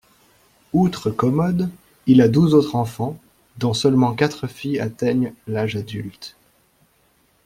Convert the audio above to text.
Outre Commode, il a douze autres enfants, dont seulement quatre filles atteignent l'âge adulte.